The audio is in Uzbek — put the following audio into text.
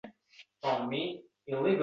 Fidoyilik, deganlar.